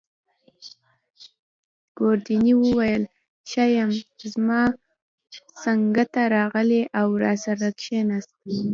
ګوردیني وویل: ښه یم. زما څنګته راغلی او راسره کښېناست.